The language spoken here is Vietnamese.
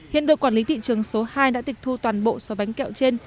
hiện đội quản lý thị trường số hai đã tịch thu toàn bộ số bánh kẹo trên